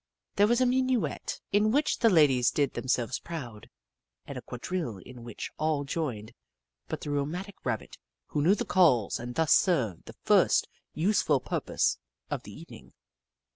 There was a minuet, in which 196 The Book of Clever Beasts the ladies did themselves proud, and a quad rille in which all joined but the rheumatic Rabbit, who knew the calls and thus served the first useful purpose of the evening.